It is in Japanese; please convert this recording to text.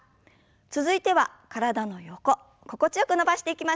続いては体の横心地よく伸ばしていきましょう。